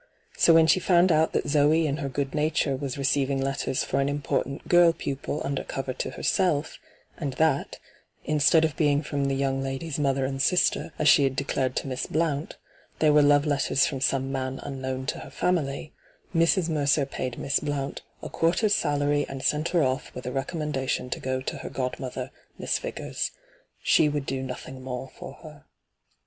So when she found out that Zoe in her good nature was receiving letters for an important girl pupil under cover to her self, and that, instead of being from the young lady's mother and sister, as she had declared to Miss Blount, they were love letters from some man unknown to her family, Mrs. Mercer paid Miss Blount a quarter's salary and sent her off with a recommendation to go to her godmother, Miss Vigors. She would do nothing more for her.